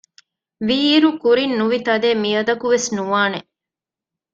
ވީއިރު ކުރިން ނުވިތަދެއް މިއަދަކުވެސް ނުވާނެ